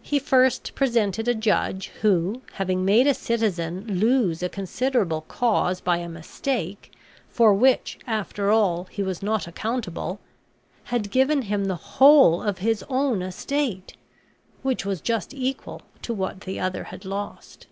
He first presented a judge who, having made a citizen lose a considerable cause by a mistake, for which, after all, he was not accountable, had given him the whole of his own estate, which was just equal to what the other had lost.